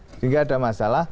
sehingga ada masalah